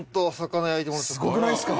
すごくないですか？